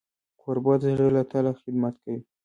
کوربه د زړه له تله خدمت کوي.